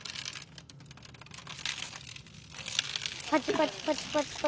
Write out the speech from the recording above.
パチパチパチって。